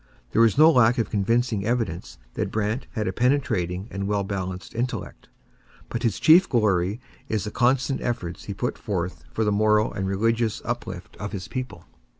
There is no lack of convincing evidence that Brant had a penetrating and well balanced intellect; but his chief glory is the constant efforts he put forth for the moral and religious uplift of his people.